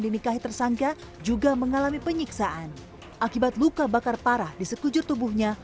dinikahi tersangka juga mengalami penyiksaan akibat luka bakar parah di sekujur tubuhnya